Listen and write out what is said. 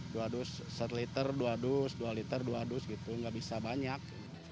dua dus set liter dua dus dua liter dua dus gitu nggak bisa banyak